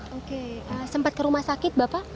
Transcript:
oke sempat ke rumah sakit bapak